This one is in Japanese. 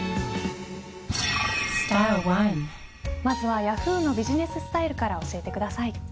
まずはヤフーのビジネススタイルから教えてください。